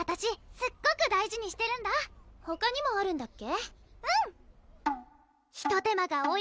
すっごく大事にしてるんだほかにもあるんだっけ？